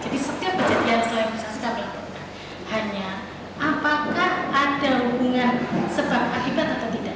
jadi setiap kejadian selain imunisasi kami lakukan hanya apakah ada hubungan sebab akibat atau tidak